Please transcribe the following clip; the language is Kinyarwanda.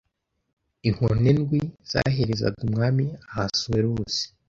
inkone ndwi zaherezaga Umwami Ahasuwerusi